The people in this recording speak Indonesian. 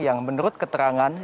yang menurut keterangan